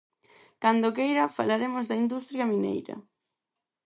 Cando queira falaremos da industria mineira.